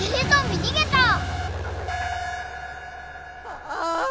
ああ！